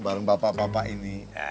bareng bapak bapak ini